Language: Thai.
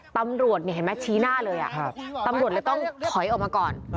ตำรวจนี่เห็นไหมชี้หน้าเลยตำรวจเลยต้องถอยออกมาก่อน